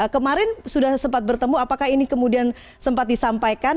kemarin sudah sempat bertemu apakah ini kemudian sempat disampaikan